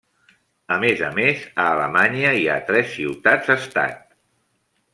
A més a més, a Alemanya hi ha tres ciutats-estat.